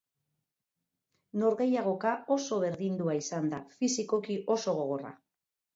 Norgehiagoka oso berdindua izan da, fisikoki oso gogorra.